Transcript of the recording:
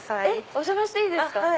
お邪魔していいですか？